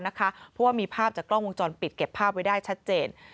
เพราะว่ามีภาพจากกล้องวงจรปิดเก็บภาพไว้ได้ชัดเจน